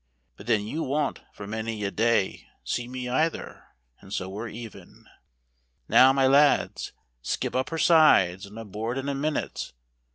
But then you wont for many a day see me either; and so we're even. Now, my lads, skip up her sides, and aboard in a minute.